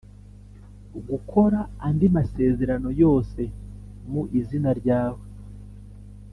gukora andi masezerano yose mu izina rya we